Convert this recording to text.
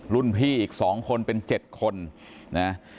รุ่นพี่อีก๒คนเป็น๗คนนะ